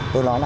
tôi nói là